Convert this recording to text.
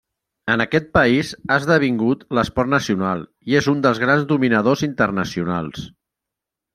En aquest país ha esdevingut l'esport nacional i és un dels grans dominadors internacionals.